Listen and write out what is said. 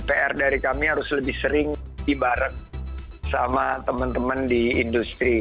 pr dari kami harus lebih sering dibaret sama teman teman di industri